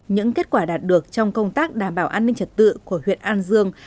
những kết quả đạt được trong công tác đảm bảo an ninh trật tự của huyện an dương